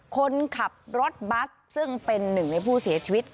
คนขับรถบัสซึ่งเป็นหนึ่งในผู้เสียชีวิต